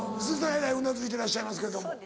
えらいうなずいてらっしゃいますけども。